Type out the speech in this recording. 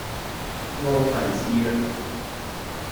傲睨自若